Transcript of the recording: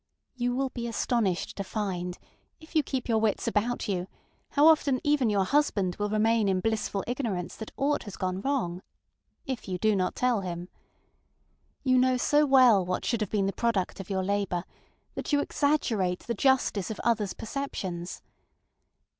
You will be astonished to find, if you keep your wits about you how often even your husband will remain in blissful ignorance that aught has gone wrong, if you do not tell him. You know so well what should have been the product of your labor that you exaggerate the justice of othersŌĆÖ perceptions.